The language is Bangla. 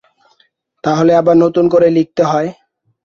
তাহলে আবার নতুন করে লিখতে হয়।